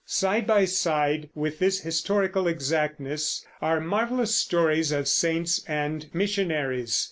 Side by side with this historical exactness are marvelous stories of saints and missionaries.